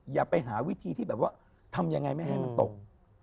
อย่าไปหาวิธีที่แบบว่าทำยังไงไม่ให้มันตก